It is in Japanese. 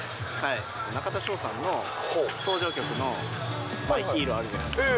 中田翔さんの登場曲のＭｙＨｅｒｏあるじゃないですか。